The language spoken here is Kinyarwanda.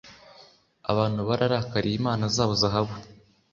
abantu bararakariye imana zabo zahabu.